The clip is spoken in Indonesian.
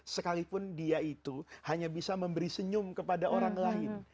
sekalipun dia itu hanya bisa memberi senyum kepada orang lain